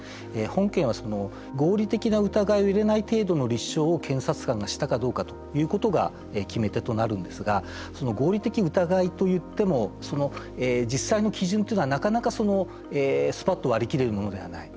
本件は合理的な疑いを入れない程度の立証を検察官がしたかどうかということが決め手となるんですが合理的疑いといっても実際の基準というのはなかなかすぱっと割り切れるものではない。